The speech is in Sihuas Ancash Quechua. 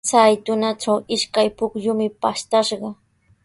Chay tunatraw ishkay pukyumi pashtashqa.